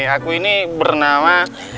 aku ini bernama